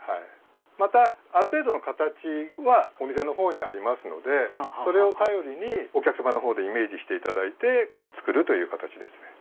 またある程度の形はお店のほうにありますのでそれを頼りにお客様のほうでイメージして作るという形です。